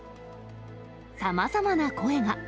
さまざまな声が。